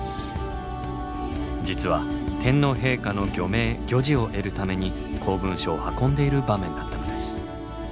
実は天皇陛下の御名・御璽を得るために公文書を運んでいる場面だったのです。